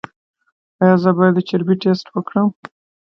ایا زه باید د چربي ټسټ وکړم؟